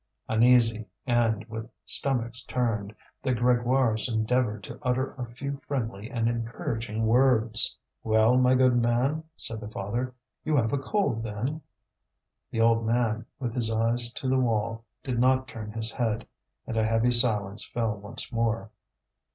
Uneasy, and with stomachs turned, the Grégoires endeavoured to utter a few friendly and encouraging words. "Well, my good man," said the father, "you have a cold, then?" The old man, with his eyes to the wall, did not turn his head. And a heavy silence fell once more.